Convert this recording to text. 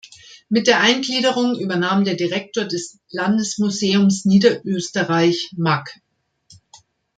Mit der Eingliederung übernahm der Direktor des Landesmuseums Niederösterreich, Mag.